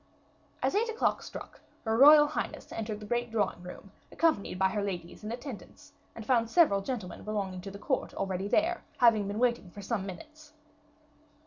As eight o'clock struck her royal highness entered the great drawing room accompanied by her ladies in attendance, and found several gentlemen belonging to the court already there, having been waiting for some minutes.